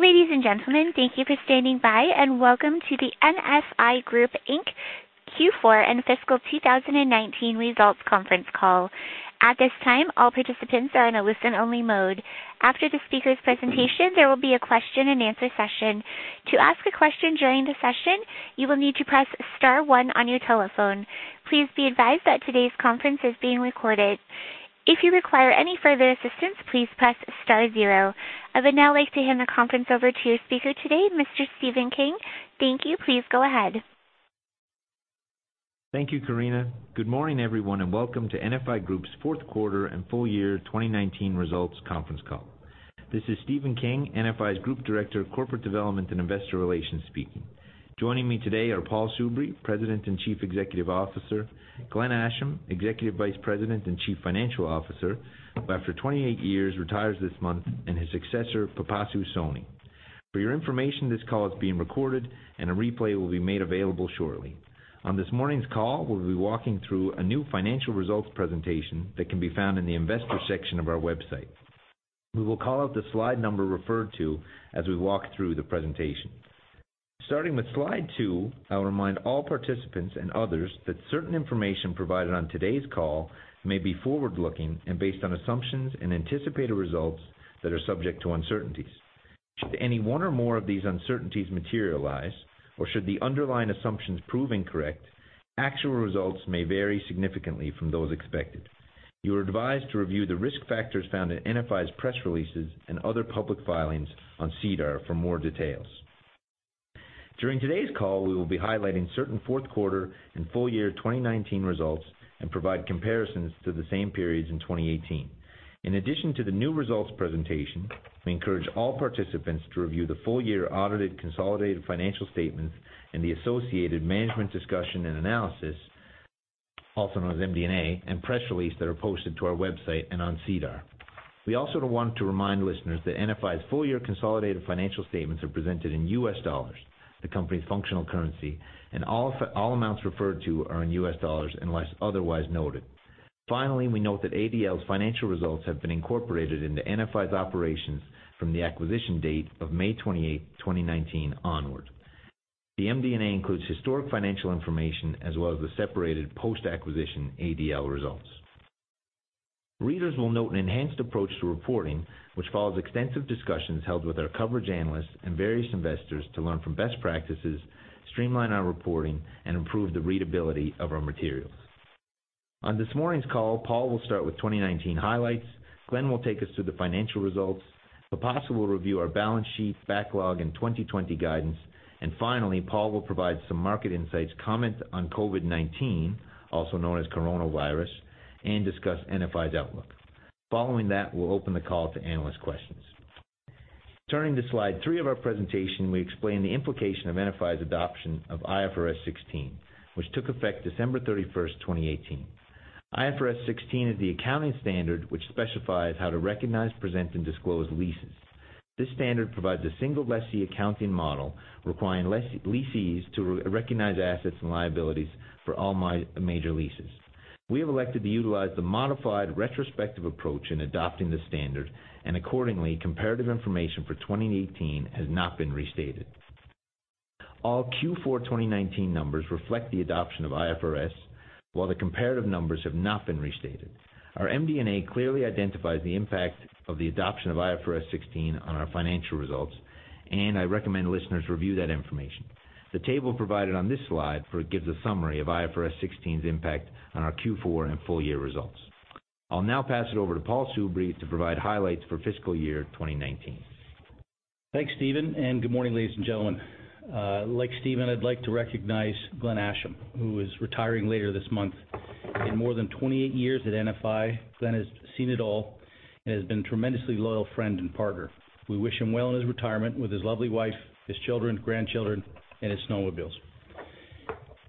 Ladies and gentlemen, thank you for standing by, and welcome to the NFI Group Inc. Q4 and fiscal 2019 results conference call. At this time, all participants are in a listen-only mode. After the speaker's presentation, there will be a question-and-answer session. To ask a question during the session, you will need to press star one on your telephone. Please be advised that today's conference is being recorded. If you require any further assistance, please press star zero. I would now like to hand the conference over to your speaker today, Mr. Stephen King. Thank you. Please go ahead. Thank you, Karina. Good morning, everyone, and welcome to NFI Group's Fourth Quarter and Full Year 2019 Results Conference Call. This is Stephen King, NFI's Group Director of Corporate Development and Investor Relations speaking. Joining me today are Paul Soubry, President and Chief Executive Officer, Glenn Asham, Executive Vice President and Chief Financial Officer, who after 28 years retires this month, and his successor, Pipasu Soni. For your information, this call is being recorded and a replay will be made available shortly. On this morning's call, we'll be walking through a new financial results presentation that can be found in the investors section of our website. We will call out the slide number referred to as we walk through the presentation. Starting with slide two, I will remind all participants and others that certain information provided on today's call may be forward-looking and based on assumptions and anticipated results that are subject to uncertainties. Should any one or more of these uncertainties materialize, or should the underlying assumptions prove incorrect, actual results may vary significantly from those expected. You are advised to review the risk factors found in NFI's press releases and other public filings on SEDAR for more details. During today's call, we will be highlighting certain fourth quarter and full year 2019 results and provide comparisons to the same periods in 2018. In addition to the new results presentation, we encourage all participants to review the full year audited consolidated financial statements and the associated management discussion and analysis, also known as MD&A, and press release that are posted to our website and on SEDAR. We also want to remind listeners that NFI's full year consolidated financial statements are presented in US dollars, the company's functional currency, and all amounts referred to are in US dollars unless otherwise noted. Finally, we note that ADL's financial results have been incorporated into NFI's operations from the acquisition date of May 28th, 2019 onwards. The MD&A includes historic financial information as well as the separated post-acquisition ADL results. Readers will note an enhanced approach to reporting, which follows extensive discussions held with our coverage analysts and various investors to learn from best practices, streamline our reporting, and improve the readability of our materials. On this morning's call, Paul will start with 2019 highlights, Glenn will take us through the financial results, Pipasu will review our balance sheet, backlog, and 2020 guidance, and finally, Paul will provide some market insights, comment on COVID-19, also known as coronavirus, and discuss NFI's outlook. Following that, we'll open the call to analyst questions. Turning to slide three of our presentation, we explain the implication of NFI's adoption of IFRS 16, which took effect December 31st, 2018. IFRS 16 is the accounting standard which specifies how to recognize, present, and disclose leases. This standard provides a single lessee accounting model requiring lessees to recognize assets and liabilities for all major leases. We have elected to utilize the modified retrospective approach in adopting the standard, and accordingly, comparative information for 2018 has not been restated. All Q4 2019 numbers reflect the adoption of IFRS, while the comparative numbers have not been restated. Our MD&A clearly identifies the impact of the adoption of IFRS 16 on our financial results, and I recommend listeners review that information. The table provided on this slide gives a summary of IFRS 16's impact on our Q4 and full year results. I'll now pass it over to Paul Soubry to provide highlights for fiscal year 2019. Thanks, Stephen, and good morning, ladies and gentlemen. Like Stephen, I'd like to recognize Glenn Asham, who is retiring later this month. In more than 28 years at NFI, Glenn has seen it all and has been a tremendously loyal friend and partner. We wish him well in his retirement with his lovely wife, his children, grandchildren, and his snowmobiles.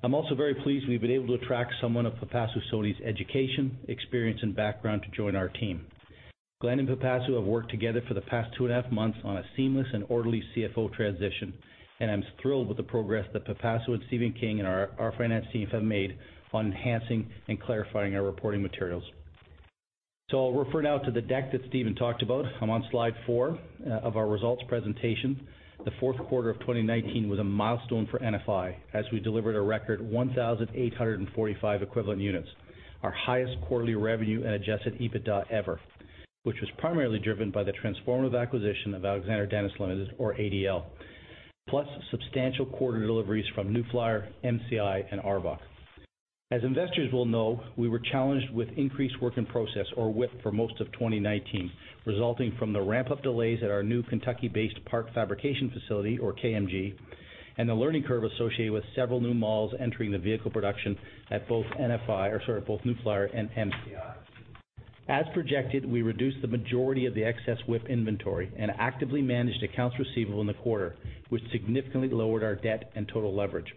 I'm also very pleased we've been able to attract someone of Pipasu Soni's education, experience, and background to join our team. Glenn and Pipasu have worked together for the past two and a half months on a seamless and orderly CFO transition, and I'm thrilled with the progress that Pipasu and Stephen King and our finance team have made on enhancing and clarifying our reporting materials. I'll refer now to the deck that Stephen talked about. I'm on slide four of our results presentation. The fourth quarter of 2019 was a milestone for NFI as we delivered a record 1,845 Equivalent Units, our highest quarterly revenue and Adjusted EBITDA ever, which was primarily driven by the transformative acquisition of Alexander Dennis Limited or ADL, plus substantial quarter deliveries from New Flyer, MCI, and ARBOC. As investors will know, we were challenged with increased work in process or WIP for most of 2019, resulting from the ramp-up delays at our new Kentucky-based part fabrication facility or KMG, and the learning curve associated with several new models entering the vehicle production at both New Flyer and MCI. As projected, we reduced the majority of the excess WIP inventory and actively managed accounts receivable in the quarter, which significantly lowered our debt and total leverage.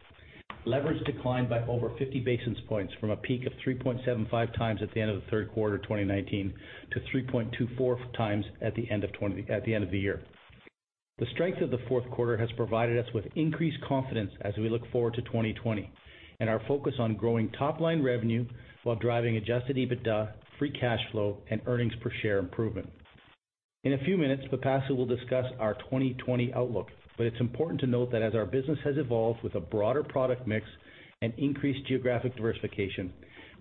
Leverage declined by over 50 basis points from a peak of 3.75x at the end of the third quarter 2019 to 3.24x at the end of the year. The strength of the fourth quarter has provided us with increased confidence as we look forward to 2020. Our focus on growing top-line revenue while driving Adjusted EBITDA, Free Cash Flow, and Earnings Per Share improvement. In a few minutes, Pipasu will discuss our 2020 outlook. It's important to note that as our business has evolved with a broader product mix and increased geographic diversification,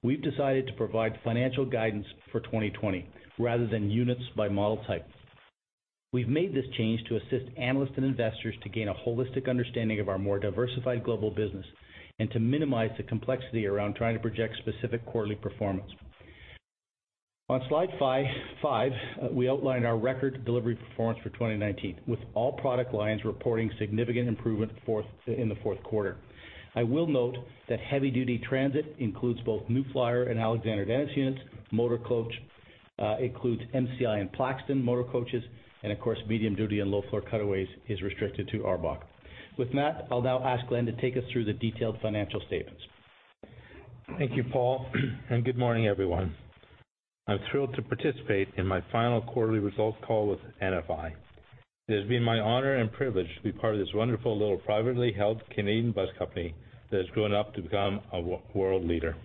we've decided to provide financial guidance for 2020 rather than units by model type. We've made this change to assist analysts and investors to gain a holistic understanding of our more diversified global business and to minimize the complexity around trying to project specific quarterly performance. On slide five, we outline our record delivery performance for 2019, with all product lines reporting significant improvement in the fourth quarter. I will note that heavy-duty transit includes both New Flyer and Alexander Dennis units. Motor Coach includes MCI and Plaxton Motor Coaches, and of course, medium-duty and low-floor cutaways is restricted to ARBOC. With that, I'll now ask Glenn to take us through the detailed financial statements. Thank you, Paul. Good morning, everyone. I'm thrilled to participate in my final quarterly results call with NFI. It has been my honor and privilege to be part of this wonderful little privately held Canadian bus company that has grown up to become a world leader.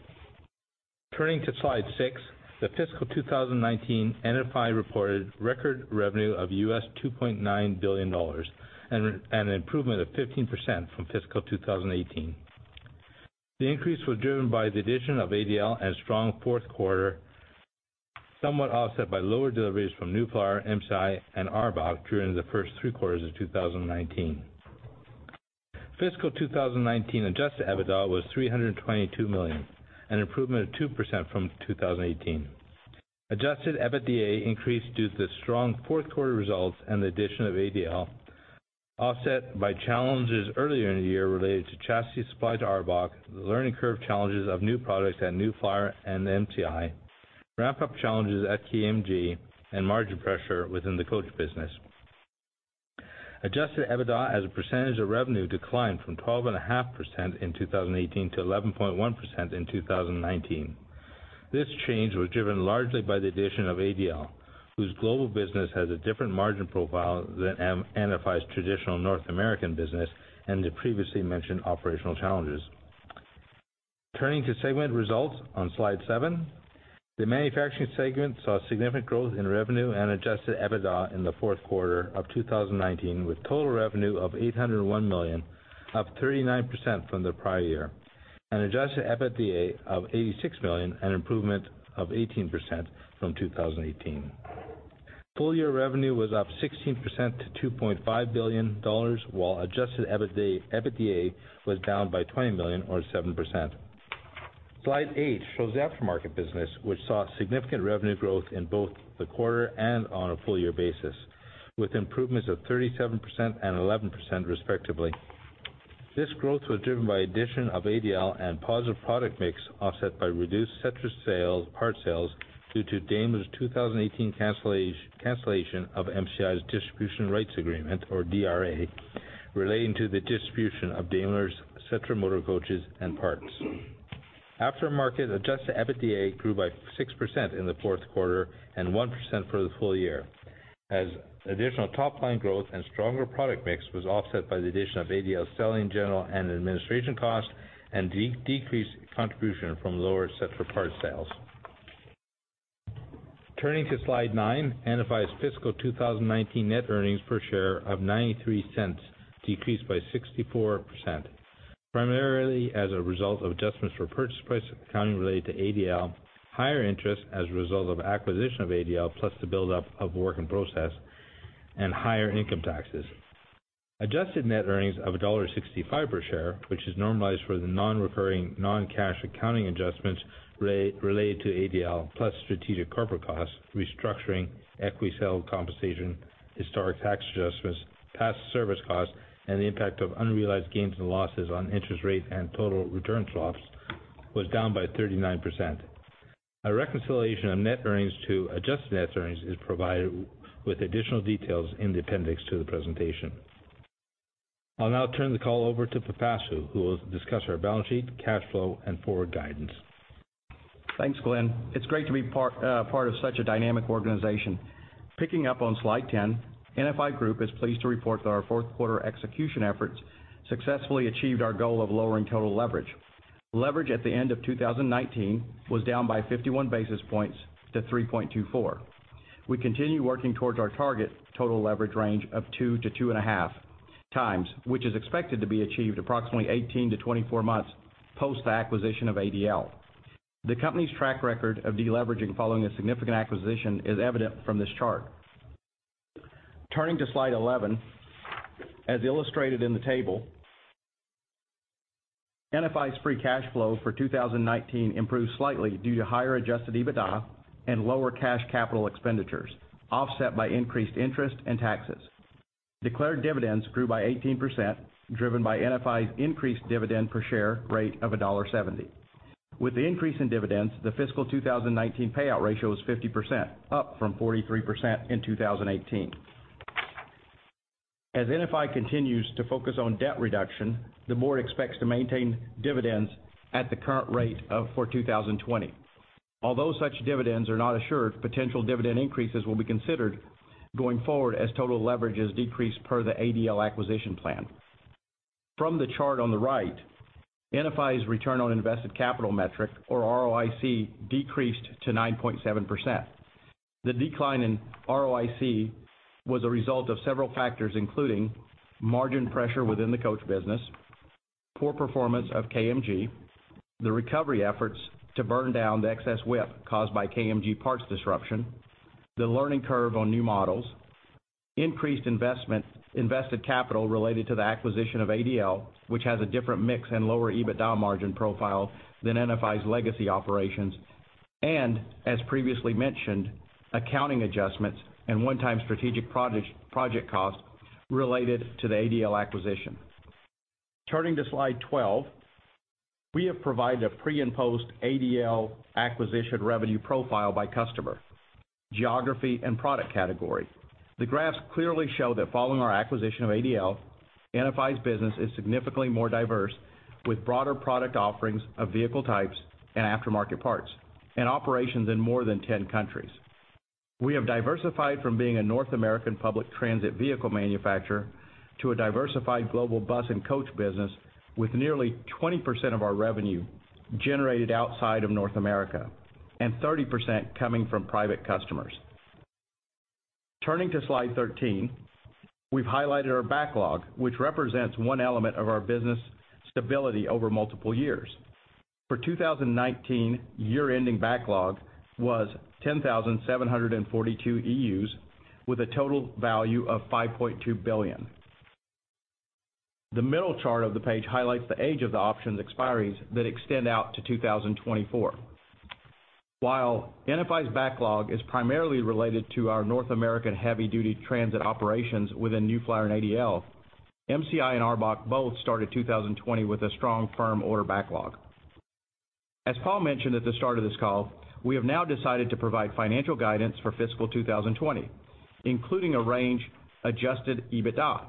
Turning to slide six, the fiscal 2019 NFI reported record revenue of $2.9 billion and an improvement of 15% from fiscal 2018. The increase was driven by the addition of ADL and strong fourth quarter, somewhat offset by lower deliveries from New Flyer, MCI, and ARBOC during the first three quarters of 2019. Fiscal 2019 Adjusted EBITDA was $322 million, an improvement of 2% from 2018. Adjusted EBITDA increased due to the strong fourth-quarter results and the addition of ADL, offset by challenges earlier in the year related to chassis supply to ARBOC, the learning curve challenges of new products at New Flyer and MCI, ramp-up challenges at KMG, and margin pressure within the coach business. Adjusted EBITDA as a percentage of revenue declined from 12.5% in 2018 to 11.1% in 2019. This change was driven largely by the addition of ADL, whose global business has a different margin profile than NFI's traditional North American business, and the previously mentioned operational challenges. Turning to segment results on slide seven. The manufacturing segment saw significant growth in revenue and Adjusted EBITDA in the fourth quarter of 2019, with total revenue of $801 million, up 39% from the prior year, and Adjusted EBITDA of $86 million, an improvement of 18% from 2018. Full-year revenue was up 16% to $2.5 billion, while Adjusted EBITDA was down by $20 million or 7%. Slide eight shows aftermarket business, which saw significant revenue growth in both the quarter and on a full-year basis, with improvements of 37% and 11%, respectively. This growth was driven by addition of ADL and positive product mix, offset by reduced Setra parts sales due to Daimler's 2018 cancellation of MCI's Distribution Rights Agreement, or DRA, relating to the distribution of Daimler's Setra motor coaches and parts. Aftermarket, Adjusted EBITDA grew by 6% in the fourth quarter and 1% for the full year, as additional top-line growth and stronger product mix was offset by the addition of ADL selling general and administration costs and decreased contribution from lower Setra parts sales. Turning to slide nine, NFI's fiscal 2019 net Earnings Per Share of $0.93 decreased by 64%, primarily as a result of adjustments for purchase price accounting related to ADL, higher interest as a result of acquisition of ADL, plus the buildup of work in process, and higher income taxes. Adjusted net earnings of $1.65 per share, which is normalized for the non-recurring non-cash accounting adjustments related to ADL, plus strategic corporate costs, restructuring, equity sale compensation, historic tax adjustments, past service costs, and the impact of unrealized gains and losses on interest rate and total return swaps, was down by 39%. A reconciliation of net earnings to adjusted net earnings is provided with additional details in the appendix to the presentation. I'll now turn the call over to Pipasu, who will discuss our balance sheet, cash flow, and forward guidance. Thanks, Glenn. It's great to be a part of such a dynamic organization. Picking up on slide 10, NFI Group is pleased to report that our fourth quarter execution efforts successfully achieved our goal of lowering total leverage. Leverage at the end of 2019 was down by 51 basis points to 3.24. We continue working towards our target total leverage range of 2x to 2.5x, which is expected to be achieved approximately 18 to 24 months post the acquisition of ADL. The company's track record of deleveraging following a significant acquisition is evident from this chart. Turning to slide 11, as illustrated in the table, NFI's Free Cash Flow for 2019 improved slightly due to higher Adjusted EBITDA and lower cash capital expenditures, offset by increased interest and taxes. Declared dividends grew by 18%, driven by NFI's increased dividend per share rate of $1.70. With the increase in dividends, the fiscal 2019 payout ratio was 50%, up from 43% in 2018. As NFI continues to focus on debt reduction, the board expects to maintain dividends at the current rate for 2020. Although such dividends are not assured, potential dividend increases will be considered going forward as total leverage is decreased per the ADL acquisition plan. From the chart on the right, NFI's Return on Invested Capital metric, or ROIC, decreased to 9.7%. The decline in ROIC was a result of several factors, including margin pressure within the coach business, poor performance of KMG, the recovery efforts to burn down the excess WIP caused by KMG parts disruption, the learning curve on new models, increased invested capital related to the acquisition of ADL, which has a different mix and lower EBITDA margin profile than NFI's legacy operations, and, as previously mentioned, accounting adjustments and one-time strategic project costs related to the ADL acquisition. Turning to slide 12, we have provided a pre- and post-ADL acquisition revenue profile by customer, geography, and product category. The graphs clearly show that following our acquisition of ADL, NFI's business is significantly more diverse, with broader product offerings of vehicle types and aftermarket parts, and operations in more than 10 countries. We have diversified from being a North American public transit vehicle manufacturer to a diversified global bus and coach business, with nearly 20% of our revenue generated outside of North America, and 30% coming from private customers. Turning to slide 13, we have highlighted our backlog, which represents one element of our business stability over multiple years. For 2019, year-ending backlog was 10,742 EUs with a total value of $5.2 billion. The middle chart of the page highlights the age of the options expiries that extend out to 2024. While NFI's backlog is primarily related to our North American heavy duty transit operations within New Flyer and ADL, MCI and ARBOC both started 2020 with a strong firm order backlog. As Paul mentioned at the start of this call, we have now decided to provide financial guidance for fiscal 2020, including a range Adjusted EBITDA.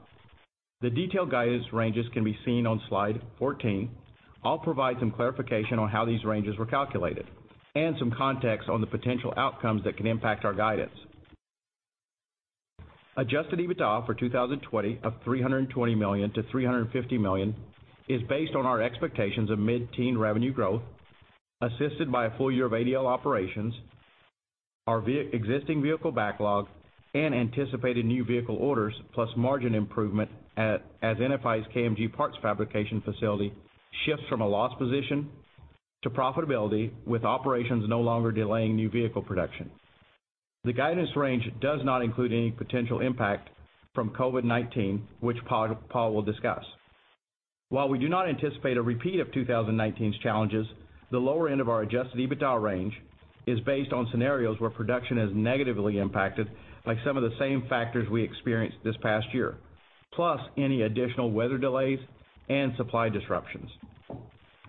The detailed guidance ranges can be seen on slide 14. I'll provide some clarification on how these ranges were calculated, and some context on the potential outcomes that can impact our guidance. Adjusted EBITDA for 2020 of $320 million-$350 million is based on our expectations of mid-teen revenue growth, assisted by a full year of ADL operations, our existing vehicle backlog, and anticipated new vehicle orders, plus margin improvement as NFI's KMG parts fabrication facility shifts from a loss position to profitability, with operations no longer delaying new vehicle production. The guidance range does not include any potential impact from COVID-19, which Paul will discuss. While we do not anticipate a repeat of 2019's challenges, the lower end of our Adjusted EBITDA range is based on scenarios where production is negatively impacted by some of the same factors we experienced this past year, plus any additional weather delays and supply disruptions.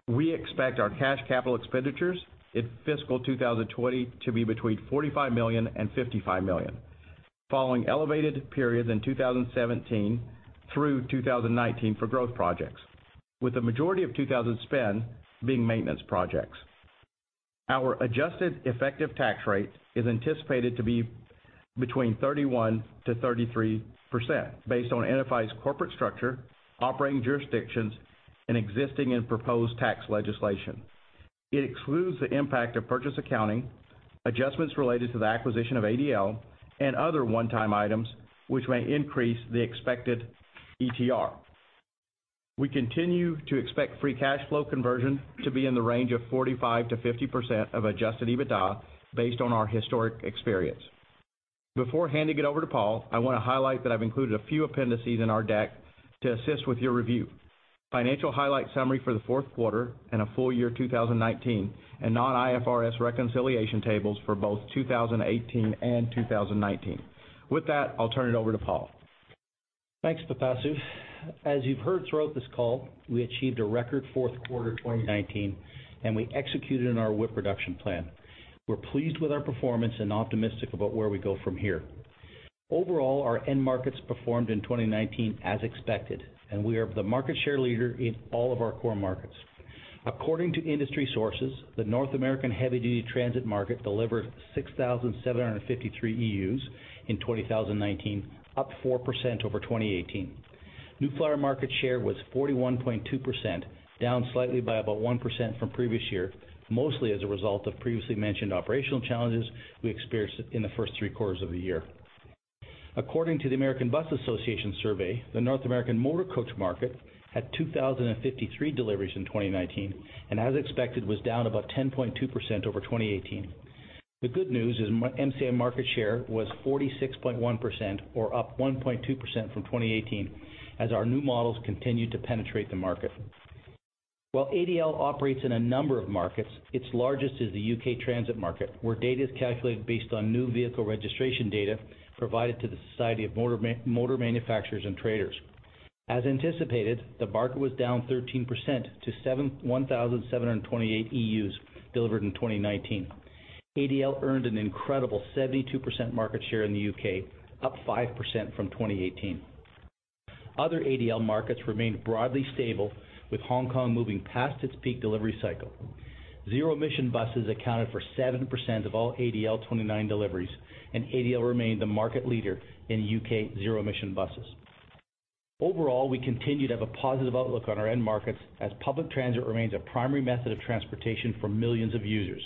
We expect our cash capital expenditures in fiscal 2020 to be between $45 million and $55 million, following elevated periods in 2017 through 2019 for growth projects, with the majority of 2020 spend being maintenance projects. Our adjusted effective tax rate is anticipated to be between 31% to 33%, based on NFI's corporate structure, operating jurisdictions, and existing and proposed tax legislation. It excludes the impact of purchase accounting, adjustments related to the acquisition of ADL, and other one-time items which may increase the expected ETR. We continue to expect Free Cash Flow conversion to be in the range of 45%-50% of Adjusted EBITDA, based on our historic experience. Before handing it over to Paul, I want to highlight that I've included a few appendices in our deck to assist with your review. Financial highlight summary for the fourth quarter and a full year 2019, and non-IFRS reconciliation tables for both 2018 and 2019. With that, I'll turn it over to Paul. Thanks, Pipasu. As you've heard throughout this call, we achieved a record fourth quarter 2019, and we executed on our WIP reduction plan. We're pleased with our performance and optimistic about where we go from here. Overall, our end markets performed in 2019 as expected, and we are the market share leader in all of our core markets. According to industry sources, the North American heavy duty transit market delivered 6,753 EUs in 2019, up 4% over 2018. New Flyer market share was 41.2%, down slightly by about 1% from previous year, mostly as a result of previously mentioned operational challenges we experienced in the first three quarters of the year. According to the American Bus Association survey, the North American motor coach market had 2,053 deliveries in 2019, and as expected, was down about 10.2% over 2018. The good news is MCI market share was 46.1%, or up 1.2% from 2018, as our new models continued to penetrate the market. While ADL operates in a number of markets, its largest is the U.K. transit market, where data is calculated based on new vehicle registration data provided to the Society of Motor Manufacturers and Traders. As anticipated, the market was down 13% to 1,728 EUs delivered in 2019. ADL earned an incredible 72% market share in the U.K., up 5% from 2018. Other ADL markets remained broadly stable, with Hong Kong moving past its peak delivery cycle. Zero emission buses accounted for 7% of all ADL 29 deliveries, and ADL remained the market leader in U.K. zero emission buses. Overall, we continue to have a positive outlook on our end markets as public transit remains a primary method of transportation for millions of users.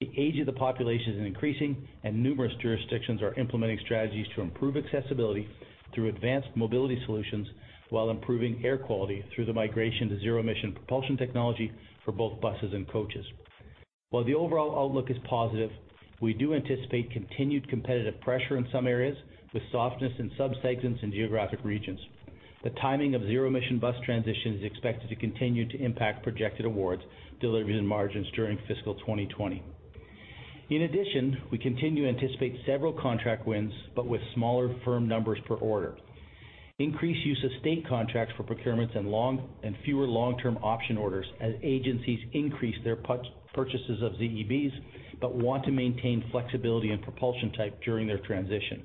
The age of the population is increasing, and numerous jurisdictions are implementing strategies to improve accessibility through advanced mobility solutions while improving air quality through the migration to zero-emission propulsion technology for both buses and coaches. While the overall outlook is positive, we do anticipate continued competitive pressure in some areas, with softness in sub-segments and geographic regions. The timing of zero-emission bus transition is expected to continue to impact projected awards, delivery, and margins during fiscal 2020. In addition, we continue to anticipate several contract wins but with smaller firm numbers per order. Increased use of state contracts for procurements and fewer long-term option orders as agencies increase their purchases of ZEBs but want to maintain flexibility in propulsion type during their transition.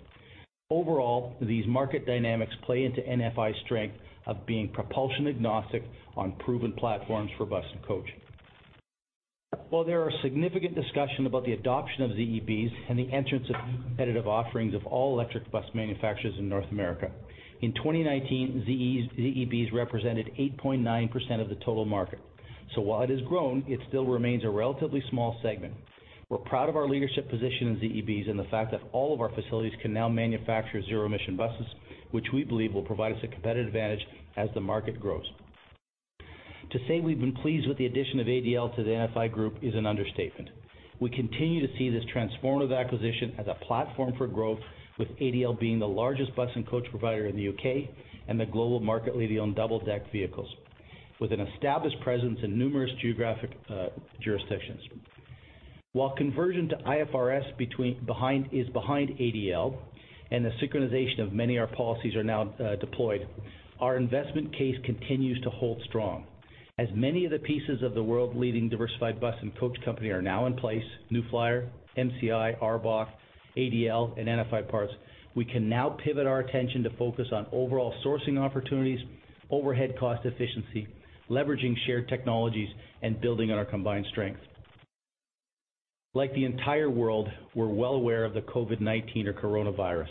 Overall, these market dynamics play into NFI's strength of being propulsion agnostic on proven platforms for bus and coach. While there are significant discussion about the adoption of ZEBs and the entrance of new competitive offerings of all-electric bus manufacturers in North America, in 2019, ZEBs represented 8.9% of the total market. While it has grown, it still remains a relatively small segment. We are proud of our leadership position in ZEBs and the fact that all of our facilities can now manufacture zero-emission buses, which we believe will provide us a competitive advantage as the market grows. To say we have been pleased with the addition of ADL to the NFI Group is an understatement. We continue to see this transformative acquisition as a platform for growth, with ADL being the largest bus and coach provider in the U.K. and the global market leading on double-deck vehicles with an established presence in numerous geographic jurisdictions. While conversion to IFRS is behind ADL and the synchronization of many of our policies are now deployed, our investment case continues to hold strong. As many of the pieces of the world-leading diversified bus and coach company are now in place, New Flyer, MCI, ARBOC, ADL, and NFI Parts, we can now pivot our attention to focus on overall sourcing opportunities, overhead cost efficiency, leveraging shared technologies, and building on our combined strength. Like the entire world, we're well aware of the COVID-19 or coronavirus.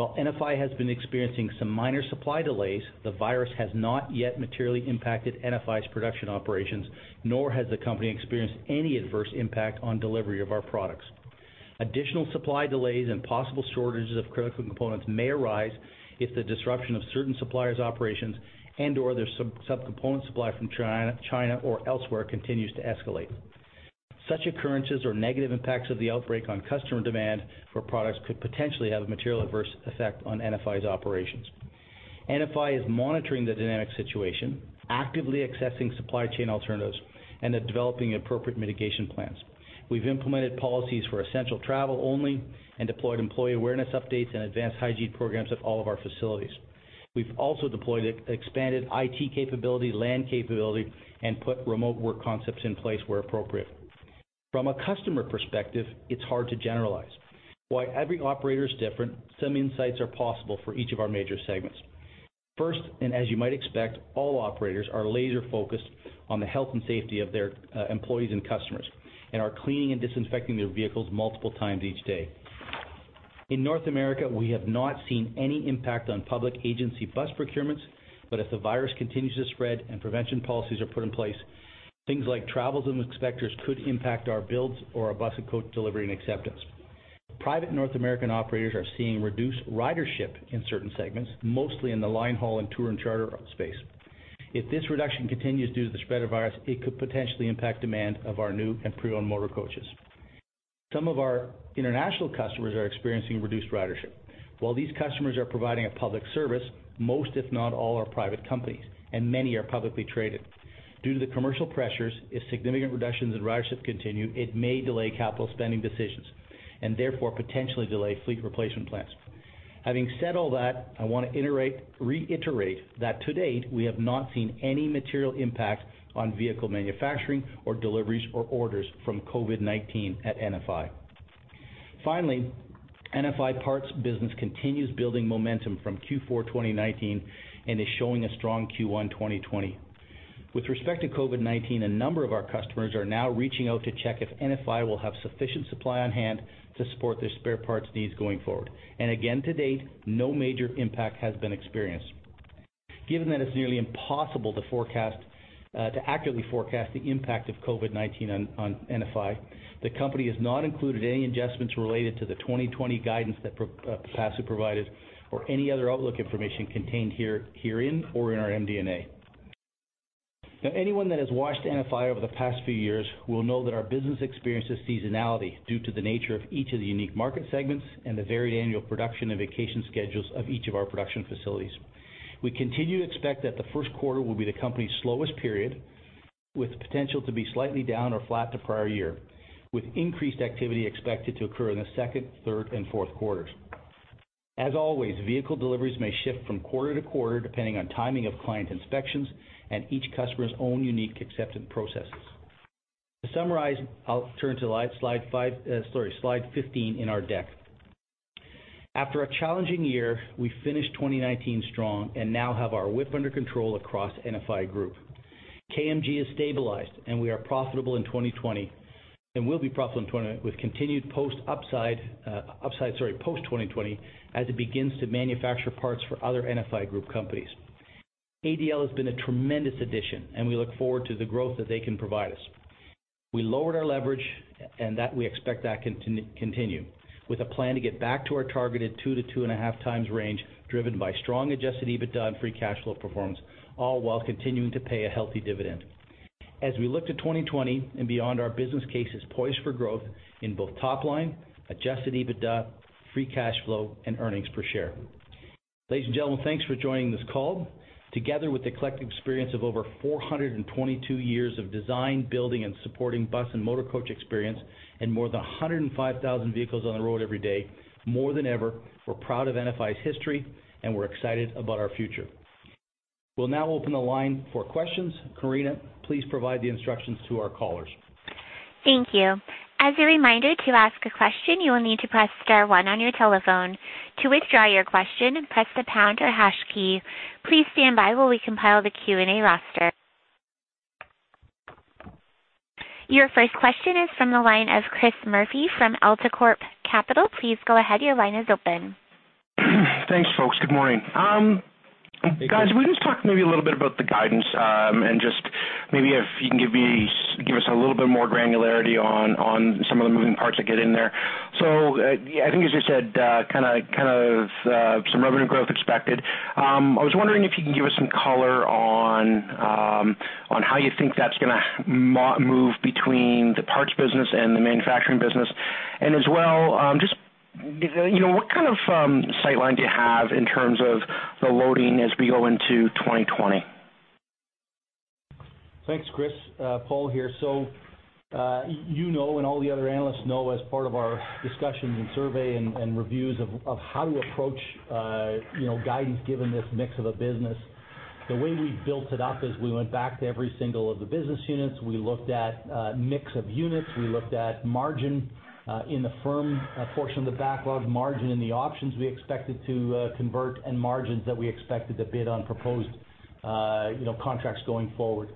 While NFI has been experiencing some minor supply delays, the virus has not yet materially impacted NFI's production operations, nor has the company experienced any adverse impact on delivery of our products. Additional supply delays and possible shortages of critical components may arise if the disruption of certain suppliers' operations and/or their subcomponent supply from China or elsewhere continues to escalate. Such occurrences or negative impacts of the outbreak on customer demand for products could potentially have a material adverse effect on NFI's operations. NFI is monitoring the dynamic situation, actively accessing supply chain alternatives, and then developing appropriate mitigation plans. We've implemented policies for essential travel only and deployed employee awareness updates and advanced hygiene programs at all of our facilities. We've also deployed expanded IT capability, LAN capability, and put remote work concepts in place where appropriate. From a customer perspective, it's hard to generalize. While every operator is different, some insights are possible for each of our major segments. First, and as you might expect, all operators are laser-focused on the health and safety of their employees and customers and are cleaning and disinfecting their vehicles multiple times each day. In North America, we have not seen any impact on public agency bus procurements, but if the virus continues to spread and prevention policies are put in place, things like travel and inspectors could impact our builds or our bus and coach delivery and acceptance. Private North American operators are seeing reduced ridership in certain segments, mostly in the line haul and tour and charter space. If this reduction continues due to the spread of the virus, it could potentially impact demand of our new and pre-owned motor coaches. Some of our international customers are experiencing reduced ridership. While these customers are providing a public service, most, if not all, are private companies, and many are publicly traded. Due to the commercial pressures, if significant reductions in ridership continue, it may delay capital spending decisions and therefore potentially delay fleet replacement plans. Having said all that, I want to reiterate that to date, we have not seen any material impact on vehicle manufacturing or deliveries or orders from COVID-19 at NFI. NFI Parts business continues building momentum from Q4 2019 and is showing a strong Q1 2020. With respect to COVID-19, a number of our customers are now reaching out to check if NFI will have sufficient supply on-hand to support their spare parts needs going forward. Again to date, no major impact has been experienced. Given that it's nearly impossible to accurately forecast the impact of COVID-19 on NFI, the company has not included any adjustments related to the 2020 guidance that Pipasu provided or any other outlook information contained herein or in our MD&A. Anyone that has watched NFI over the past few years will know that our business experiences seasonality due to the nature of each of the unique market segments and the varied annual production and vacation schedules of each of our production facilities. We continue to expect that the first quarter will be the company's slowest period with potential to be slightly down or flat to prior year, with increased activity expected to occur in the second, third, and fourth quarters. As always, vehicle deliveries may shift from quarter to quarter, depending on timing of client inspections and each customer's own unique acceptance processes. To summarize, I'll turn to slide 15 in our deck. After a challenging year, we finished 2019 strong and now have our WIP under control across NFI Group. KMG has stabilized, and we are profitable in 2020, and will be profitable with continued post upside, sorry, post-2020, as it begins to manufacture parts for other NFI Group companies. ADL has been a tremendous addition, and we look forward to the growth that they can provide us. We lowered our leverage and that we expect that to continue with a plan to get back to our targeted 2x to 2.5x range, driven by strong Adjusted EBITDA and Free Cash Flow performance, all while continuing to pay a healthy dividend. As we look to 2020 and beyond, our business case is poised for growth in both top line, Adjusted EBITDA, Free Cash Flow, and Earnings Per Share. Ladies and gentlemen, thanks for joining this call. Together with the collective experience of over 422 years of design, building and supporting bus and motor coach experience and more than 105,000 vehicles on the road every day, more than ever, we're proud of NFI's history and we're excited about our future. We'll now open the line for questions. Karina, please provide the instructions to our callers. Thank you. As a reminder, to ask a question, you will need to press star one on your telephone. To withdraw your question, press the pound or hash key. Please stand by while we compile the Q&A roster. Your first question is from the line of Chris Murray from AltaCorp Capital. Please go ahead. Your line is open. Thanks, folks. Good morning. Hey, Chris. Guys, can we just talk maybe a little bit about the guidance, and just maybe if you can give me, give us a little bit more granularity on some of the moving parts that get in there? I think as you said, kind of some revenue growth expected. I was wondering if you can give us some color on how you think that's going to move between the parts business and the manufacturing business. As well, just what kind of sightline do you have in terms of the loading as we go into 2020? Thanks, Chris. Paul here. You know, and all the other analysts know as part of our discussions and survey and reviews of how to approach guidance, given this mix of a business. The way we built it up is we went back to every single of the business units. We looked at mix of units. We looked at margin in the firm portion of the backlog margin in the options we expected to convert, and margins that we expected to bid on proposed contracts going forward.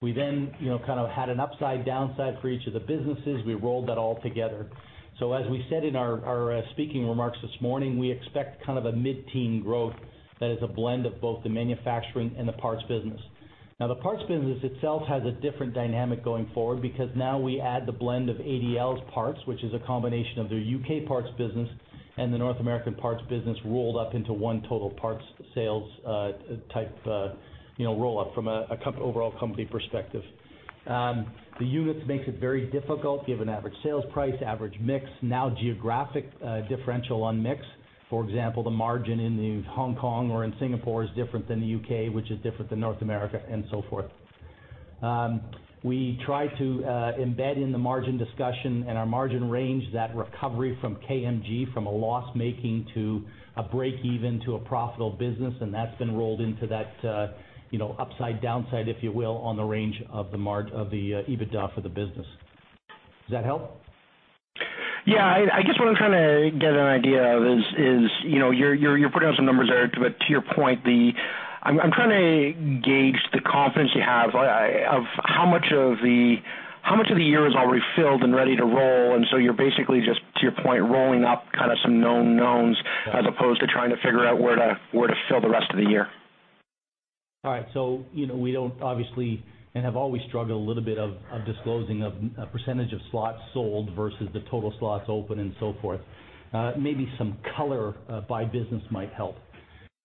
We kind of had an upside downside for each of the businesses. We rolled that all together. As we said in our speaking remarks this morning, we expect kind of a mid-teen growth that is a blend of both the manufacturing and the parts business. The parts business itself has a different dynamic going forward because now we add the blend of ADL's parts, which is a combination of their U.K. parts business and the North American parts business rolled up into one total parts sales type roll-up from an overall company perspective. The units makes it very difficult given average sales price, average mix, now geographic differential on mix. The margin in the Hong Kong or in Singapore is different than the U.K., which is different than North America and so forth. We try to embed in the margin discussion and our margin range that recovery from KMG from a loss-making to a break-even to a profitable business, and that's been rolled into that upside downside, if you will, on the range of the EBITDA for the business. Does that help? Yeah, I guess what I'm trying to get an idea of is you're putting out some numbers there. To your point, I'm trying to gauge the confidence you have of how much of the year is already filled and ready to roll. You're basically just, to your point, rolling up kind of some known knowns as opposed to trying to figure out where to fill the rest of the year. All right. We don't obviously and have always struggled a little bit of disclosing of percentage of slots sold versus the total slots open and so forth. Maybe some color by business might help.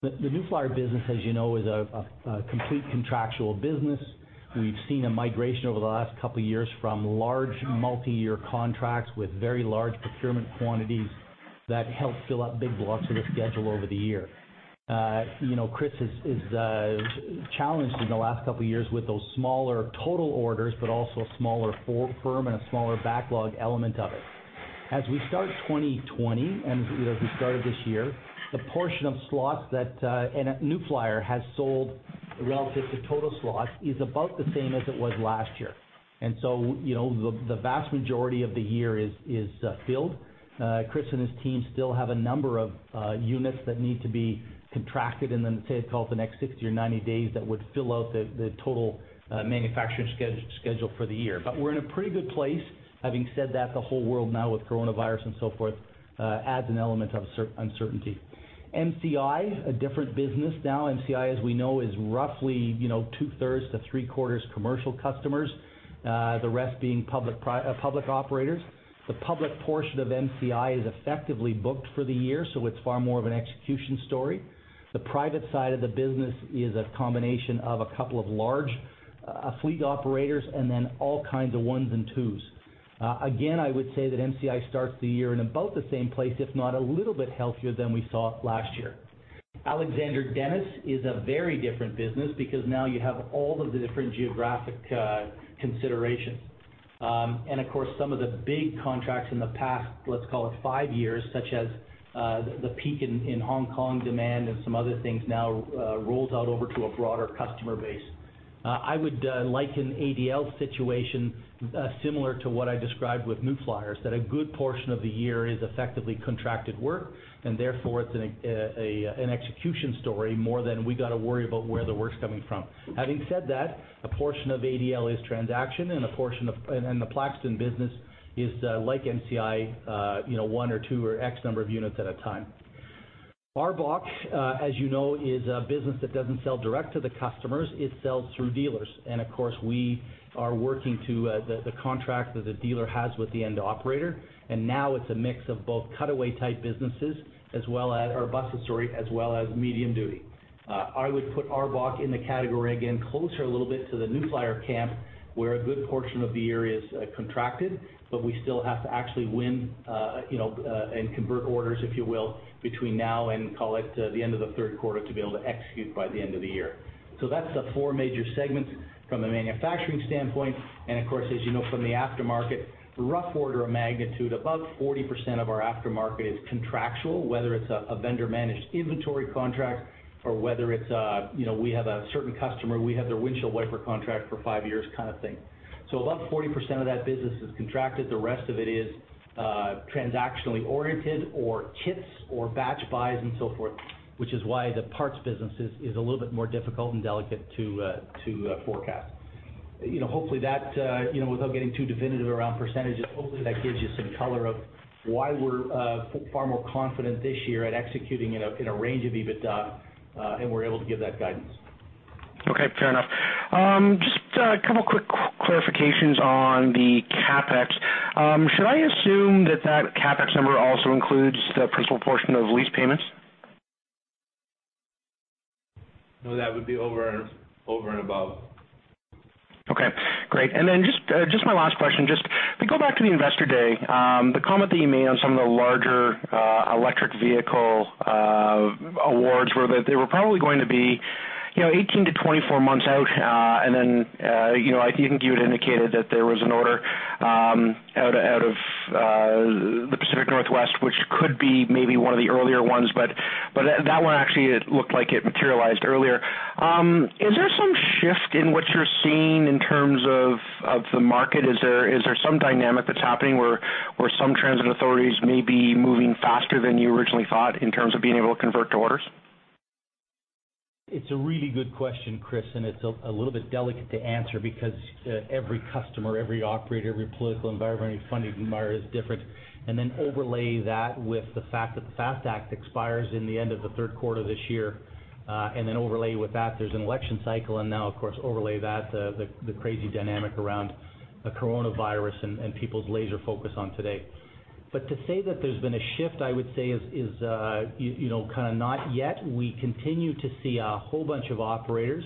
The New Flyer business, as you know, is a complete contractual business. We've seen a migration over the last couple of years from large multi-year contracts with very large procurement quantities that help fill up big blocks of the schedule over the year. Chris is challenged in the last couple of years with those smaller total orders, but also a smaller firm and a smaller backlog element of it. As we start 2020, and as we started this year, the portion of slots that New Flyer has sold relative to total slots is about the same as it was last year. The vast majority of the year is filled. Chris and his team still have a number of units that need to be contracted and then say 12 to the next 60 or 90 days that would fill out the total manufacturing schedule for the year. We're in a pretty good place. Having said that, the whole world now with coronavirus and so forth, adds an element of uncertainty. MCI, a different business now. MCI, as we know, is roughly two-thirds to three-quarters commercial customers, the rest being public operators. The public portion of MCI is effectively booked for the year, so it's far more of an execution story. The private side of the business is a combination of a couple of large fleet operators and then all kinds of ones and twos. Again, I would say that MCI starts the year in about the same place, if not a little bit healthier than we saw last year. Alexander Dennis is a very different business because now you have all of the different geographic considerations. Of course, some of the big contracts in the past. Let's call it five years, such as the peak in Hong Kong demand and some other things now rolls out over to a broader customer base. I would liken ADL's situation similar to what I described with New Flyer, that a good portion of the year is effectively contracted work and therefore, it's an execution story more than we got to worry about where the work's coming from. Having said that, a portion of ADL is transaction and the Plaxton business is like MCI, one or two or X number of units at a time. ARBOC, as you know, is a business that doesn't sell direct to the customers. It sells through dealers. Of course, we are working to the contract that the dealer has with the end operator, and now it's a mix of both cutaway type businesses as well as, or bus history, as well as medium duty. I would put ARBOC in the category, again, closer a little bit to the New Flyer camp, where a good portion of the year is contracted but we still have to actually win, and convert orders, if you will, between now and, call it, the end of the third quarter to be able to execute by the end of the year. That's the four major segments from a manufacturing standpoint. Of course, as you know, from the aftermarket, rough order of magnitude, about 40% of our aftermarket is contractual, whether it's a vendor managed inventory contract or whether it's a, we have a certain customer, we have their windshield wiper contract for five years kind of thing. About 40% of that business is contracted. The rest of it is transactionally oriented or kits or batch buys and so forth, which is why the parts business is a little bit more difficult and delicate to forecast. Hopefully that, without getting too definitive around percentages, hopefully that gives you some color of why we're far more confident this year at executing in a range of EBITDA, and we're able to give that guidance. Okay, fair enough. Just a couple quick clarifications on the CapEx. Should I assume that that CapEx number also includes the principal portion of lease payments? No, that would be over and above. Okay, great. Just my last question, just if we go back to the investor day, the comment that you made on some of the larger electric vehicle awards were that they were probably going to be 18-24 months out, I think you had indicated that there was an order out of the Pacific Northwest, which could be maybe one of the earlier ones but that one actually looked like it materialized earlier. Is there some shift in what you're seeing in terms of the market? Is there some dynamic that's happening where some transit authorities may be moving faster than you originally thought in terms of being able to convert to orders? It's a really good question, Chris, and it's a little bit delicate to answer because every customer, every operator, every political environment, every funding environment is different. Then overlay that with the fact that the FAST Act expires in the end of the third quarter this year, then overlay with that, there's an election cycle. Now, of course, overlay that, the crazy dynamic around the coronavirus and people's laser focus on today. To say that there's been a shift, I would say is kind of not yet. We continue to see a whole bunch of operators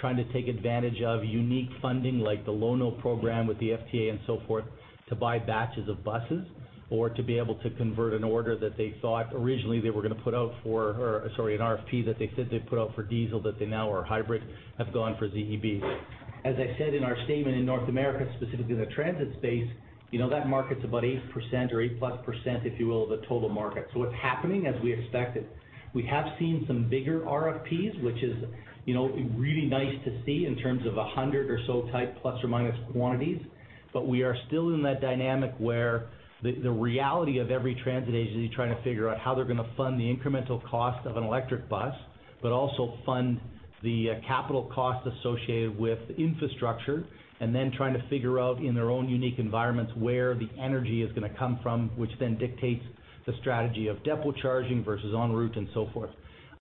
trying to take advantage of unique funding like the Low-No program with the FTA and so forth to buy batches of buses or to be able to convert an order that they thought originally they were going to put out for, or sorry, an RFP that they said they'd put out for diesel that they now are hybrid, have gone for ZEB. As I said in our statement in North America, specifically in the transit space, that market's about 8% or 8+% if you will, of the total market. It's happening as we expected. We have seen some bigger RFPs, which is really nice to see in terms of 100 or so type plus or minus quantities. We are still in that dynamic where the reality of every transit agency trying to figure out how they're going to fund the incremental cost of an electric bus, but also fund the capital cost associated with infrastructure, and then trying to figure out in their own unique environments where the energy is going to come from which then dictates the strategy of depot charging versus en route and so forth.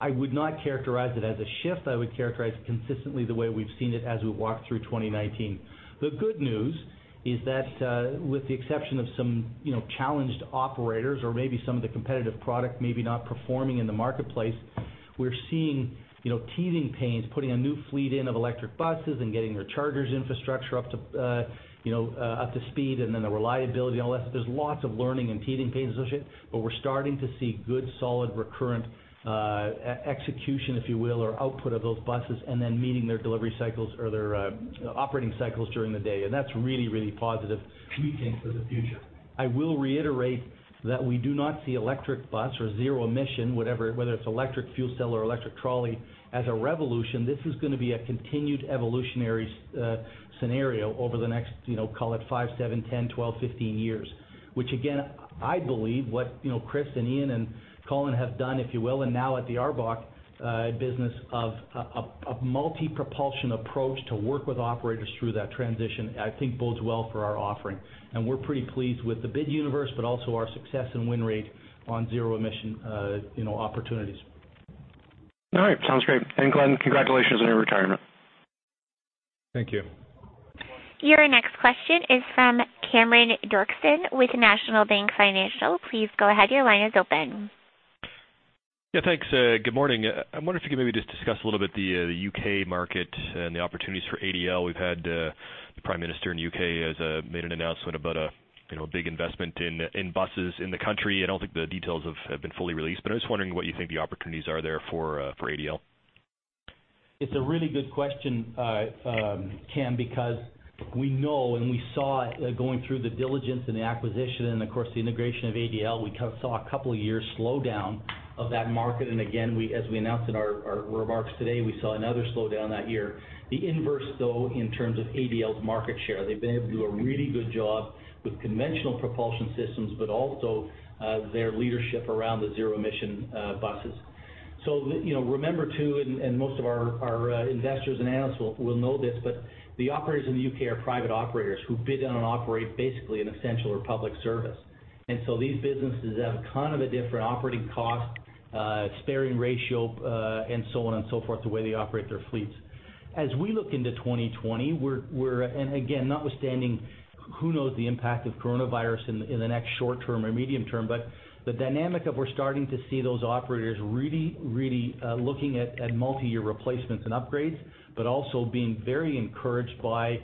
I would not characterize it as a shift. I would characterize it consistently the way we've seen it as we walked through 2019. The good news is that, with the exception of some challenged operators or maybe some of the competitive product maybe not performing in the marketplace, we're seeing teething pains, putting a new fleet in of electric buses and getting their chargers infrastructure up to speed and then the reliability and all that. There's lots of learning and teething pains associated but we're starting to see good, solid, recurrent execution, if you will, or output of those buses and then meeting their delivery cycles or their operating cycles during the day. That's really positive for the future. I will reiterate that we do not see electric bus or zero emission, whether it's electric fuel cell or electric trolley, as a revolution. This is going to be a continued evolutionary scenario over the next call it five, seven, 10, 12, 15 years. Which again, I believe what Chris and Ian and Colin have done, if you will, and now at the ARBOC business of multi-propulsion approach to work with operators through that transition, I think bodes well for our offering. We're pretty pleased with the bid universe, but also our success and win rate on zero emission opportunities. All right. Sounds great. Glenn, congratulations on your retirement. Thank you. Your next question is from Cameron Doerksen with National Bank Financial. Please go ahead. Your line is open. Yeah, thanks. Good morning. I wonder if you could maybe just discuss a little bit the U.K. market and the opportunities for ADL. We've had the Prime Minister in the U.K. has made an announcement about a big investment in buses in the country. I don't think the details have been fully released. I was wondering what you think the opportunities are there for ADL. It's a really good question, Cameron, because we know and we saw it going through the diligence and the acquisition and, of course, the integration of ADL, we saw a couple of years slowdown of that market. Again, as we announced in our remarks today, we saw another slowdown that year. The inverse, though, in terms of ADL's market share, they've been able to do a really good job with conventional propulsion systems, but also their leadership around the zero emission buses. Remember too, and most of our investors and analysts will know this, but the operators in the U.K. are private operators who bid on and operate basically an essential or public service. These businesses have a different operating cost, sparing ratio, and so on and so forth, the way they operate their fleets. As we look into 2020, again, notwithstanding who knows the impact of coronavirus in the next short term or medium term but the dynamic of we're starting to see those operators really looking at multi-year replacements and upgrades, but also being very encouraged by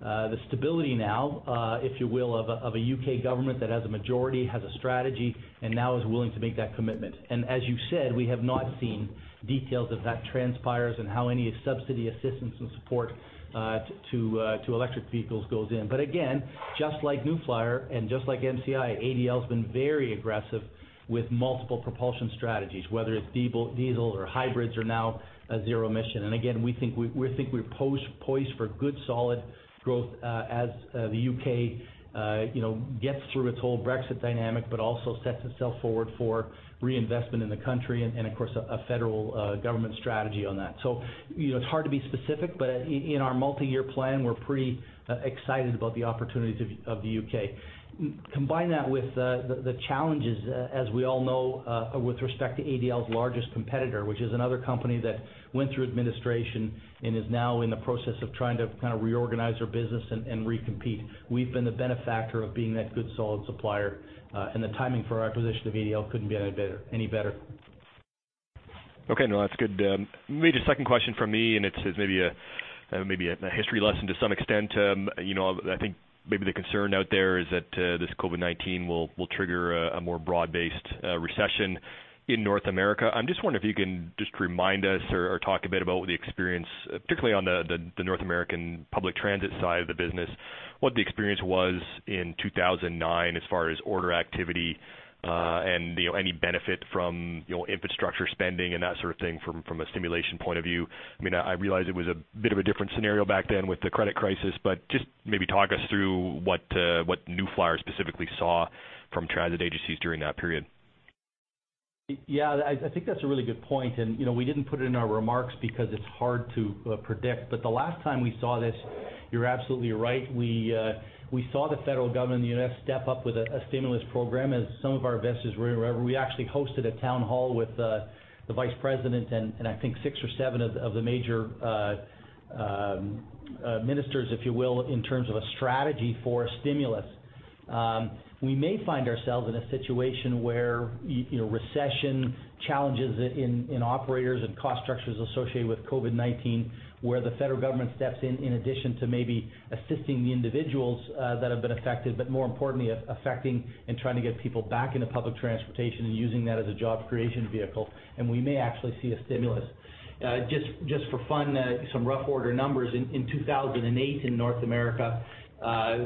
the stability now, if you will, of a U.K. government that has a majority, has a strategy, and now is willing to make that commitment. As you said, we have not seen details if that transpires and how any subsidy assistance and support to electric vehicles goes in. Again, just like New Flyer and just like MCI, ADL's been very aggressive with multiple propulsion strategies whether it's diesel or hybrids or now zero emission. Again, we think we're poised for good, solid growth as the U.K. gets through its whole Brexit dynamic, but also sets itself forward for reinvestment in the country and, of course, a federal government strategy on that. It's hard to be specific, but in our multi-year plan, we're pretty excited about the opportunities of the U.K. Combine that with the challenges, as we all know, with respect to ADL's largest competitor, which is another company that went through administration and is now in the process of trying to reorganize their business and re-compete. We've been the benefactor of being that good, solid supplier, and the timing for our acquisition of ADL couldn't be any better. Okay. No, that's good. Maybe a second question from me. It's maybe a history lesson to some extent. I think maybe the concern out there is that this COVID-19 will trigger a more broad-based recession in North America. I'm just wondering if you can just remind us or talk a bit about the experience, particularly on the North American public transit side of the business, what the experience was in 2009 as far as order activity, and any benefit from infrastructure spending and that sort of thing from a stimulation point of view. I realize it was a bit of a different scenario back then with the credit crisis. Just maybe talk us through what New Flyer specifically saw from transit agencies during that period. Yeah, I think that's a really good point. We didn't put it in our remarks because it's hard to predict. The last time we saw this, you're absolutely right, we saw the federal government in the U.S. step up with a stimulus program, as some of our investors were aware. We actually hosted a town hall with the vice president and I think six or seven of the major ministers, if you will, in terms of a strategy for a stimulus. We may find ourselves in a situation where recession challenges in operators and cost structures associated with COVID-19, where the federal government steps in addition to maybe assisting the individuals that have been affected but more importantly, affecting and trying to get people back into public transportation and using that as a job creation vehicle, and we may actually see a stimulus. Just for fun, some rough order numbers. In 2008 in North America,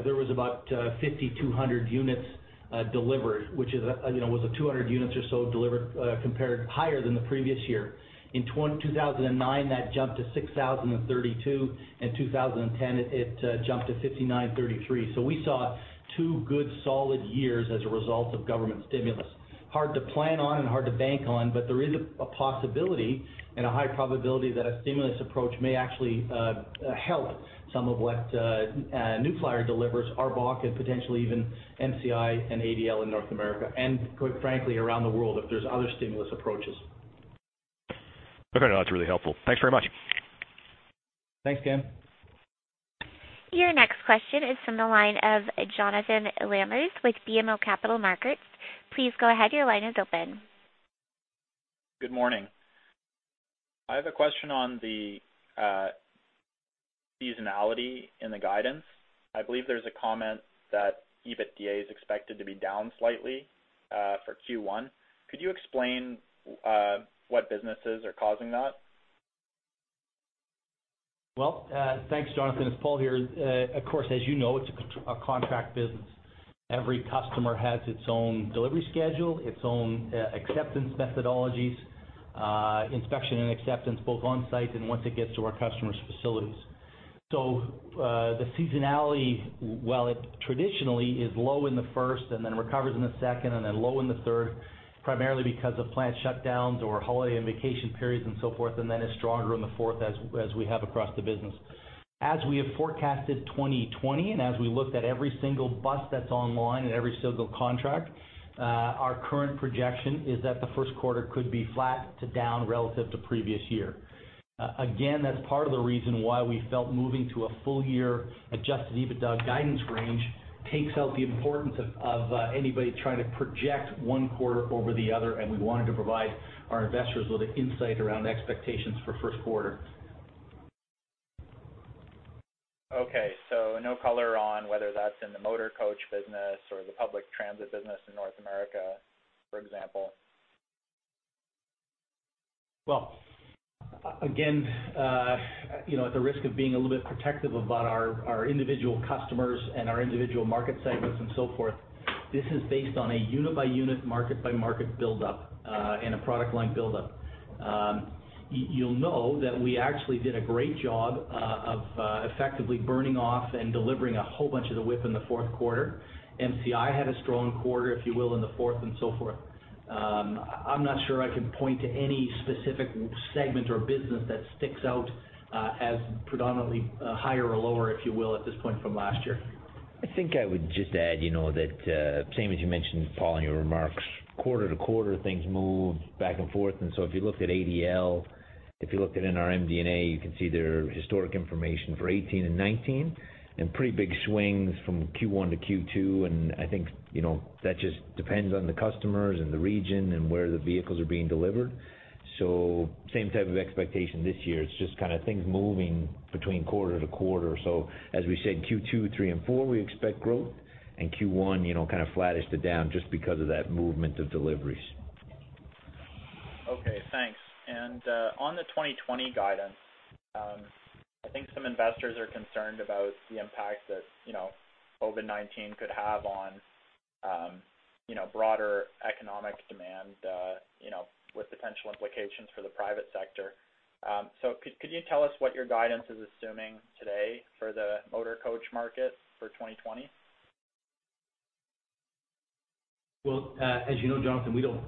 there was about 5,200 units delivered which was a 200 units or so delivered compared higher than the previous year. In 2009, that jumped to 6,032. In 2010, it jumped to 5,933. We saw two good solid years as a result of government stimulus. Hard to plan on and hard to bank on, but there is a possibility and a high probability that a stimulus approach may actually help some of what New Flyer delivers, ARBOC, and potentially even MCI and ADL in North America and, quite frankly, around the world if there's other stimulus approaches. Okay. No, that's really helpful. Thanks very much. Thanks, Ken. Your next question is from the line of Jonathan Lamers with BMO Capital Markets. Please go ahead, your line is open. Good morning. I have a question on the seasonality in the guidance. I believe there's a comment that EBITDA is expected to be down slightly for Q1. Could you explain what businesses are causing that? Well, thanks, Jonathan. It's Paul here. Of course, as you know, it's a contract business. Every customer has its own delivery schedule, its own acceptance methodologies, inspection and acceptance, both on-site and once it gets to our customers' facilities. The seasonality, while it traditionally is low in the first and then recovers in the second and then low in the third, primarily because of plant shutdowns or holiday and vacation periods and so forth, and then is stronger in the fourth as we have across the business. As we have forecasted 2020 and as we looked at every single bus that's online and every single contract, our current projection is that the first quarter could be flat to down relative to previous year. Again, that's part of the reason why we felt moving to a full-year Adjusted EBITDA guidance range takes out the importance of anybody trying to project one quarter over the other, and we wanted to provide our investors with an insight around expectations for first quarter. Okay. No color on whether that's in the motor coach business or the public transit business in North America, for example? Well, again, at the risk of being a little bit protective about our individual customers and our individual market segments and so forth, this is based on a unit-by-unit, market-by-market buildup, and a product line buildup. You'll know that we actually did a great job of effectively burning off and delivering a whole bunch of the WIP in the fourth quarter. MCI had a strong quarter, if you will, in the fourth and so forth. I'm not sure I can point to any specific segment or business that sticks out as predominantly higher or lower, if you will, at this point from last year. I think I would just add that, same as you mentioned, Paul, in your remarks, quarter to quarter, things move back and forth. If you looked at ADL, if you looked at our MD&A, you can see their historic information for 2018 and 2019, and pretty big swings from Q1 to Q2. I think that just depends on the customers and the region and where the vehicles are being delivered. Same type of expectation this year. It's just kind of things moving between quarter to quarter. As we said, Q2, Q3, and Q4, we expect growth, and Q1 kind of flattish to down just because of that movement of deliveries. Okay, thanks. On the 2020 guidance, I think some investors are concerned about the impact that COVID-19 could have on broader economic demand with potential implications for the private sector. Could you tell us what your guidance is assuming today for the motor coach market for 2020? Well, as you know, Jonathan, we don't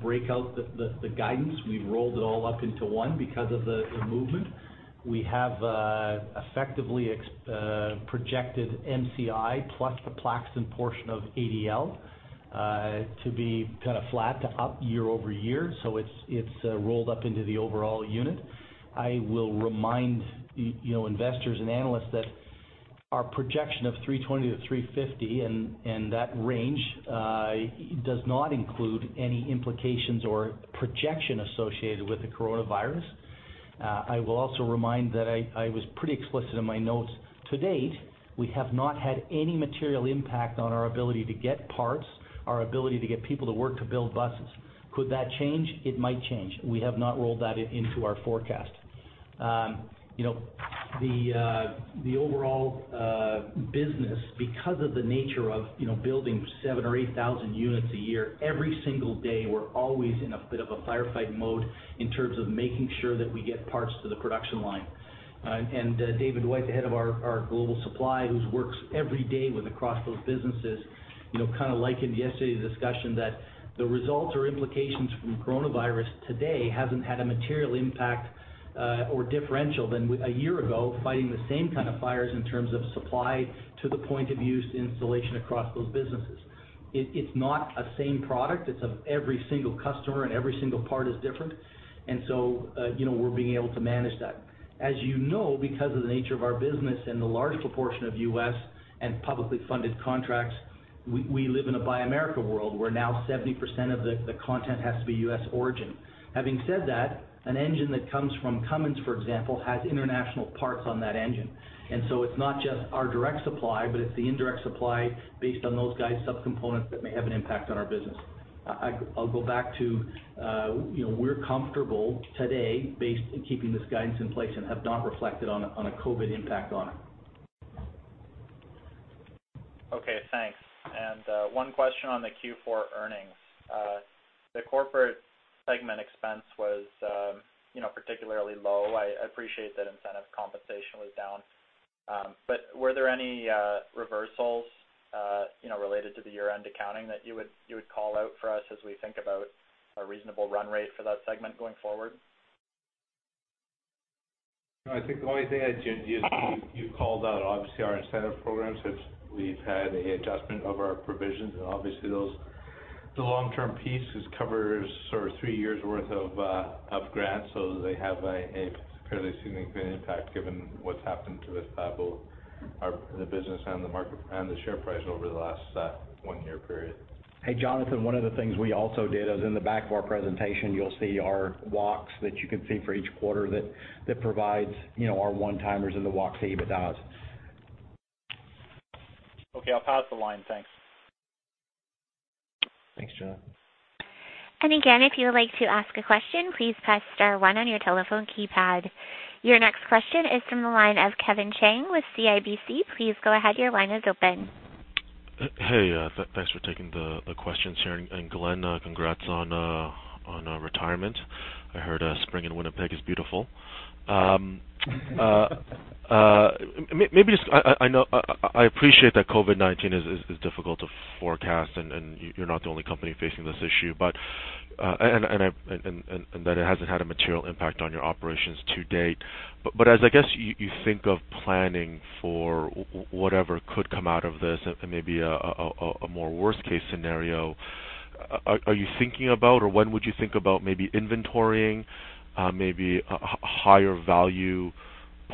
break out the guidance. We've rolled it all up into one because of the movement. We have effectively projected MCI plus the Plaxton portion of ADL to be kind of flat to up year-over-year. It's rolled up into the overall unit. I will remind investors and analysts that our projection of 320-350 and that range does not include any implications or projection associated with the coronavirus. I will also remind that I was pretty explicit in my notes. To date, we have not had any material impact on our ability to get parts, our ability to get people to work to build buses. Could that change? It might change. We have not rolled that into our forecast. The overall business, because of the nature of building 7,000 or 8,000 units a year, every single day, we're always in a bit of a firefight mode in terms of making sure that we get parts to the production line. David White, the head of our global supply, who works every day with across those businesses, kind of likened yesterday's discussion that the results or implications from coronavirus today haven't had a material impact or differential than a year ago, fighting the same kind of fires in terms of supply to the point of use installation across those businesses. It's not a same product. It's of every single customer and every single part is different. So we're being able to manage that. As you know, because of the nature of our business and the large proportion of U.S. and publicly funded contracts, we live in a Buy America world where now 70% of the content has to be U.S. origin. Having said that, an engine that comes from Cummins, for example, has international parts on that engine. It's not just our direct supply, but it's the indirect supply based on those guys' subcomponents that may have an impact on our business. I'll go back to we're comfortable today based in keeping this guidance in place and have not reflected on a COVID impact on it. Okay, thanks. One question on the Q4 earnings. The corporate segment expense was particularly low. I appreciate that incentive compensation was down. Were there any reversals related to the year-end accounting that you would call out for us as we think about a reasonable run rate for that segment going forward? I think the only thing I'd do is you've called out, obviously, our incentive programs, which we've had an adjustment of our provisions. Obviously, those, the long-term piece just covers sort of three years' worth of grants. They have a fairly significant impact given what's happened to both the business and the market and the share price over the last one-year period. Hey, Jonathan, one of the things we also did is in the back of our presentation, you'll see our walks that you can see for each quarter that provides our one-timers and the walks, EBITDAs. Okay, I'll pass the line. Thanks. Thanks, Jonathan. Again, if you would like to ask a question, please press star one on your telephone keypad. Your next question is from the line of Kevin Chiang with CIBC. Please go ahead, your line is open. Hey, thanks for taking the questions here. Glenn, congrats on retirement. I heard spring in Winnipeg is beautiful. Maybe just I appreciate that COVID-19 is difficult to forecast and you're not the only company facing this issue, and that it hasn't had a material impact on your operations to date. As I guess you think of planning for whatever could come out of this and maybe a more worst-case scenario, are you thinking about or when would you think about maybe inventorying maybe higher value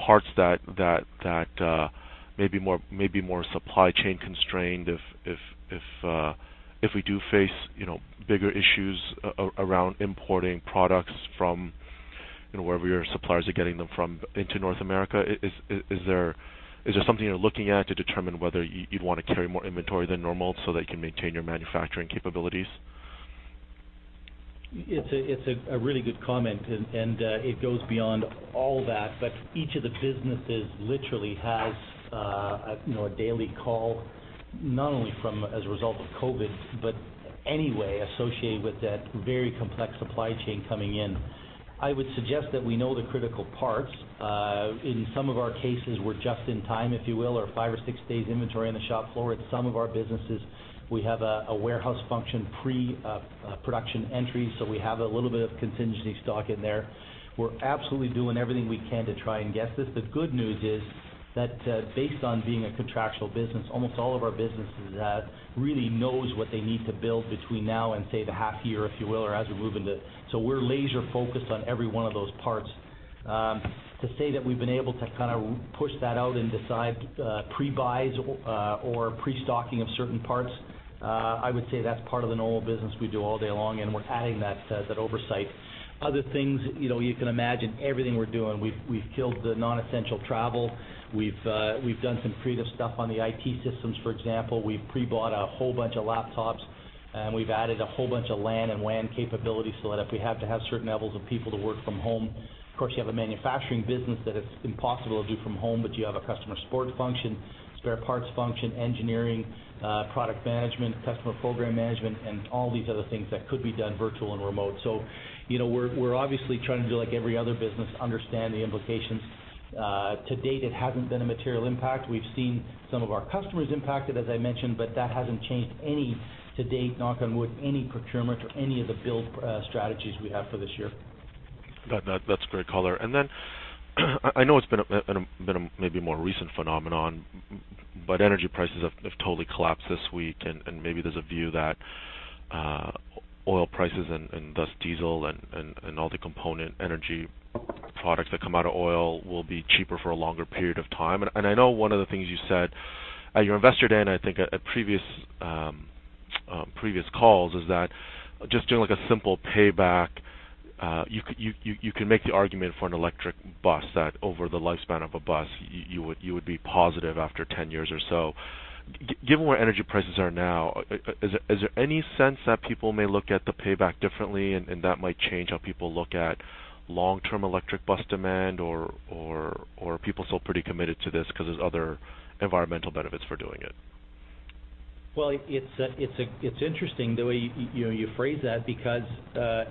parts that maybe more supply chain constrained if we do face bigger issues around importing products from wherever your suppliers are getting them from into North America, is there something you're looking at to determine whether you'd want to carry more inventory than normal so that you can maintain your manufacturing capabilities? It's a really good comment, and it goes beyond all that. Each of the businesses literally has a daily call, not only as a result of COVID-19, but anyway associated with that very complex supply chain coming in. I would suggest that we know the critical parts. In some of our cases, we're just in time, if you will, or five or six days inventory on the shop floor. At some of our businesses, we have a warehouse function pre-production entry, so we have a little bit of contingency stock in there. We're absolutely doing everything we can to try and guess this. The good news is that based on being a contractual business, almost all of our businesses really knows what they need to build between now and, say, the half year, if you will. We're laser focused on every one of those parts. To say that we've been able to push that out and decide pre-buys or pre-stocking of certain parts, I would say that's part of the normal business we do all day long, and we're adding that oversight. Other things, you can imagine everything we're doing. We've killed the non-essential travel. We've done some creative stuff on the IT systems, for example. We've pre-bought a whole bunch of laptops, and we've added a whole bunch of LAN and WAN capabilities so that if we have to have certain levels of people to work from home. Of course, you have a manufacturing business that is impossible to do from home, but you have a customer support function, spare parts function, engineering, product management, customer program management, and all these other things that could be done virtual and remote. We're obviously trying to do like every other business, understand the implications. To date, it hasn't been a material impact. We've seen some of our customers impacted as I mentioned, but that hasn't changed any to date, knock on wood, any procurement or any of the build strategies we have for this year. That's great color. Then I know it's been a maybe more recent phenomenon but energy prices have totally collapsed this week, and maybe there's a view that oil prices and thus diesel and all the component energy products that come out of oil will be cheaper for a longer period of time. I know one of the things you said at your Investor Day, and I think at previous calls, is that just doing a simple payback, you can make the argument for an electric bus that over the lifespan of a bus, you would be positive after 10 years or so. Given where energy prices are now, is there any sense that people may look at the payback differently and that might change how people look at long-term electric bus demand, or are people still pretty committed to this because there's other environmental benefits for doing it? Well, it's interesting the way you phrase that because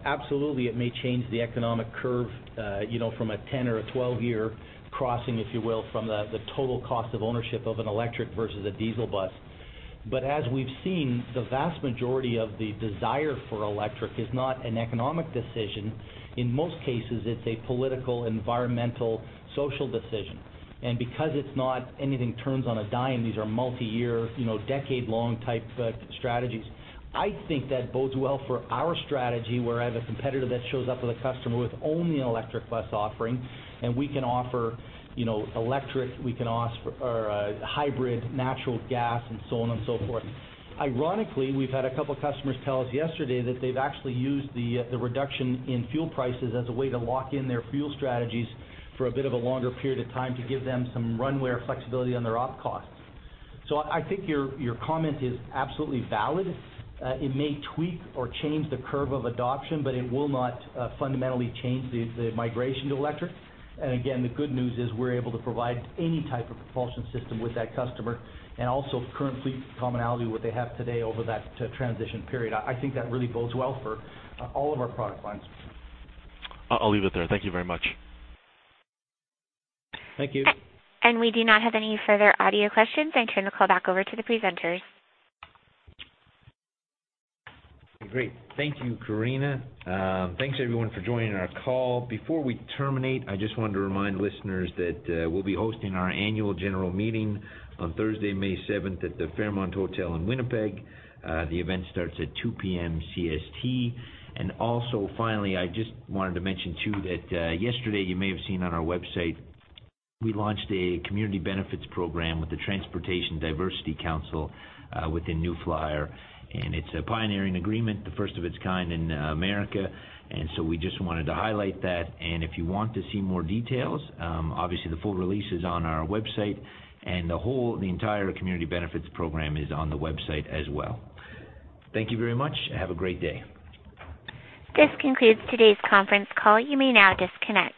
absolutely it may change the economic curve from a 10 or a 12-year crossing, if you will, from the total cost of ownership of an electric versus a diesel bus. As we've seen, the vast majority of the desire for electric is not an economic decision. In most cases, it's a political, environmental, social decision. Because it's not anything turns on a dime, these are multi-year, decade-long type strategies. I think that bodes well for our strategy, where I have a competitor that shows up with a customer with only an electric bus offering, and we can offer electric, we can offer hybrid, natural gas, and so on and so forth. Ironically, we've had a couple of customers tell us yesterday that they've actually used the reduction in fuel prices as a way to lock in their fuel strategies for a bit of a longer period of time to give them some runway or flexibility on their op costs. I think your comment is absolutely valid. It may tweak or change the curve of adoption but it will not fundamentally change the migration to electric. Again, the good news is we're able to provide any type of propulsion system with that customer and also current fleet commonality, what they have today over that transition period. I think that really bodes well for all of our product lines. I'll leave it there. Thank you very much. Thank you. We do not have any further audio questions. I turn the call back over to the presenters. Great. Thank you, Corina. Thanks, everyone for joining our call. Before we terminate, I just wanted to remind listeners that we'll be hosting our annual general meeting on Thursday, May 7th at the Fairmont Hotel in Winnipeg. The event starts at 2:00PM CST. Also, finally, I just wanted to mention, too, that yesterday you may have seen on our website we launched a Community Benefits Program with the Transportation Diversity Council within New Flyer, and it's a pioneering agreement, the first of its kind in America. We just wanted to highlight that. If you want to see more details, obviously the full release is on our website, and the entire Community Benefits Program is on the website as well. Thank you very much. Have a great day. This concludes today's conference call. You may now disconnect.